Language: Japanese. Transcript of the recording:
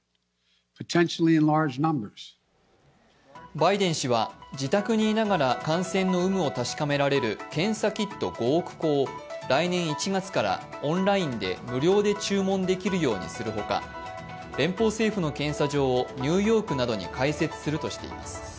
バイデン氏は自宅にいながら感染の有無を確かめられる検査キット５億個を来年１月からオンラインで無料で注文できるようにするほか、連邦政府の検査場をニューヨークなどに開設するとしています。